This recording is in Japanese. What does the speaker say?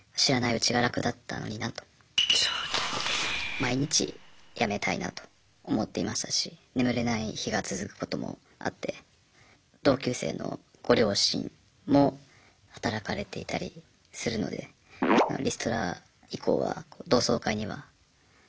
毎日辞めたいなと思っていましたし眠れない日が続くこともあって同級生のご両親も働かれていたりするのでリストラ以降は同窓会には。